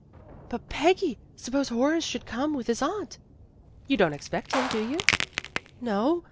"But, Peggy, suppose Horace should come with his aunt !'' "You don't expect him, do you?" "No.